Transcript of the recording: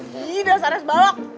gila seharusnya balok